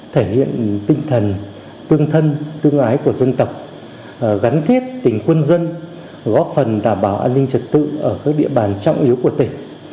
thể hiện tinh thần tương thân tương ái của dân tộc gắn kết tình quân dân góp phần đảm bảo an ninh trật tự ở các địa bàn trọng yếu của tỉnh